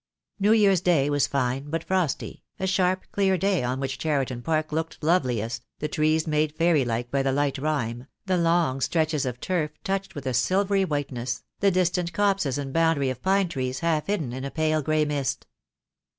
New Year's Day was fine but frosty, a sharp, clear day on which Cheriton Park looked loveliest, the trees made fairy like by the light rime, the long stretches of turf touched with a silvery whiteness, the distant copses and boundary of pine trees half hidden in a pale grey mist.